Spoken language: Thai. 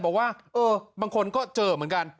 บอกว่าเออบางคนก็เจอเหมือนกัน